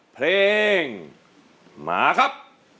เพลงมาครับ